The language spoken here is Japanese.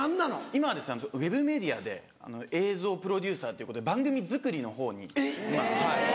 今はウェブメディアで映像プロデューサーということで番組作りのほうに今はい。